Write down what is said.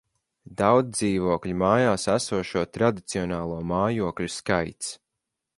Daudzdzīvokļu mājās esošo tradicionālo mājokļu skaits